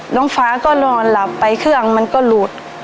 น้องฟ้าก็นอนหลับไปเครื่องมันก็หลุด